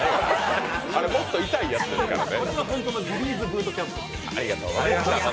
もっと痛いやつですからね。